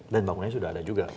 dan bangunannya sudah ada juga